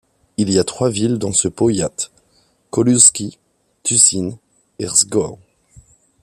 Il y a trois villes dans ce powiat: Koluszki, Tuszyn et Rzgów.